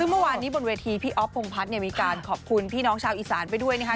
เมื่อวานนี้บนเวทีพี่อ๊อฟพงพัฒน์เนี่ยมีการขอบคุณพี่น้องชาวอีสานไปด้วยนะคะ